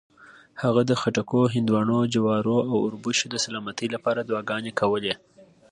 هغه د خټکو، هندواڼو، جوارو او اوربشو د سلامتۍ لپاره دعاګانې کولې.